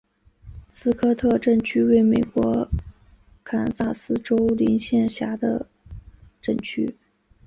斯科特镇区为美国堪萨斯州林县辖下的镇区。